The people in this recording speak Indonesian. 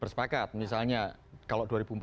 bersepakat misalnya kalau dua ribu empat belas